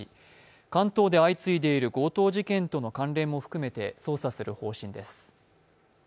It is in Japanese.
関東で相次いでいる強盗事件との関連も含めて捜査する方針です。